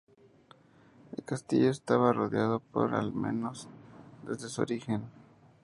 El castillo estaba rodeado por almenas desde su origen.